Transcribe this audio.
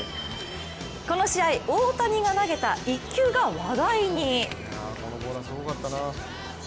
この試合大谷が投げた１球が話題に。